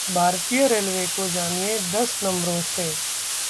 भारतीय रेलवे को जानिए दस नंबरों से